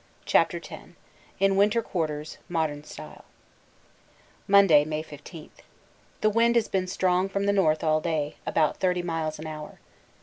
CHAPTER X In Winter Quarters: Modern Style Monday, May 15. The wind has been strong from the north all day about 30 miles an hour.